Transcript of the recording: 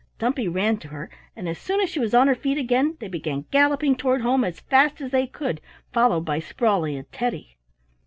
Dumpy ran to her, and as soon as she was on her feet again they began galloping toward home as fast as they could, followed by Sprawley and Teddy.